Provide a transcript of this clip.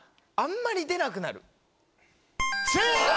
正解！